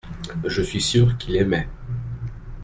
Je suis sûr qu’il aimait.